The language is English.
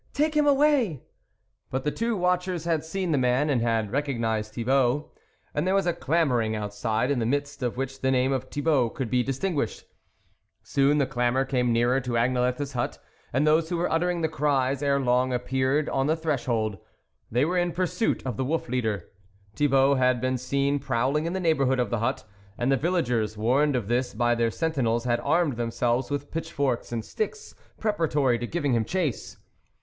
take him away !" But the two watchers had seen the man and had recognised Thi bault, and there was a clamouring out side, in the midst of which the name of Thibault could be distinguished^ Soon the clamour came nearer to Agnelette's hut, and those who were uttering the cries ere long appeared on the threshold ; they were in pursuit of the Wolf leader. Thi bault had been seen prowling in the neighbourhood of the hut, and the villagers, warned of this by their sentinels, had armed themselves with pitch forks and sticks preparatory to giving him chase.